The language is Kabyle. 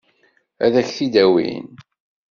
Ad k-t-id-awin?